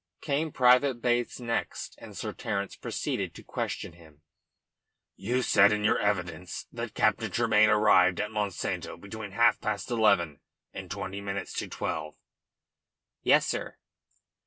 Came Private Bates next, and Sir Terence proceeded to question him.. "You said in your evidence that Captain Tremayne arrived at Monsanto between half past eleven and twenty minutes to twelve?" "Yes, sir."